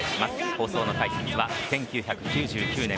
放送の解説は１９９９年